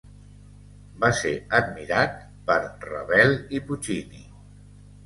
Va ser admirat per Ravel i Puccini.